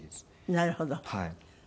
なるほど。